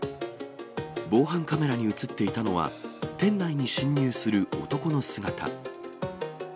防犯カメラに写っていたのは、店内に侵入する男の姿。